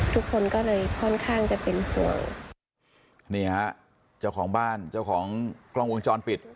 ทุกคนก็เลยค่อนข้างจะเป็นห่วงนี่ฮะเจ้าของบ้านเจ้าของกล้องวงจรปิด